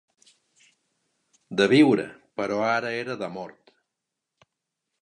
De viure, però ara era de mort.